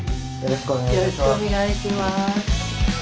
よろしくお願いします。